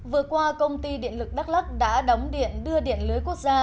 vừa qua công ty điện lực đắk lắc đã đóng điện đưa điện lưới quốc gia